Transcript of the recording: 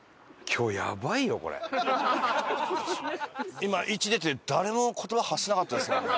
今「１」出て誰も言葉発しなかったですもんね。